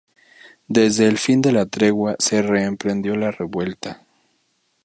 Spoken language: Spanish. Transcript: Desde el fin de la tregua se reemprendió la revuelta.